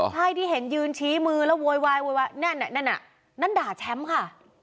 ใช่ที่เห็นยืนชี้มือแล้วโวยวายโวยวายนั่นน่ะนั่นด่าแชมป์ค่ะ